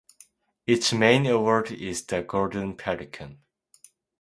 Its main award is the Golden Pelican.